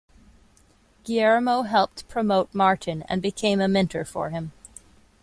Guillermo helped promote Martin and became a mentor for him.